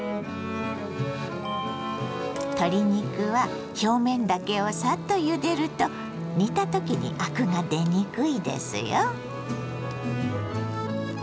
鶏肉は表面だけをサッとゆでると煮た時にアクが出にくいですよ。